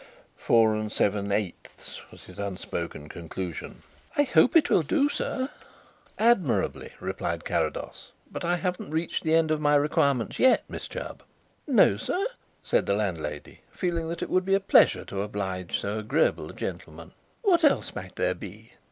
"Four and seven eighths," was his unspoken conclusion. "I hope it will do sir." "Admirably," replied Carrados. "But I haven't reached the end of my requirements yet, Miss Chubb." "No, sir?" said the landlady, feeling that it would be a pleasure to oblige so agreeable a gentleman, "what else might there be?"